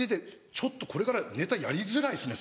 ちょっとこれからネタやりづらいですね